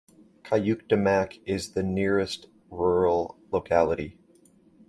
Kuyuktamak is the nearest rural locality.